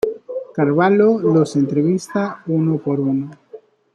Carvalho los entrevista uno por uno.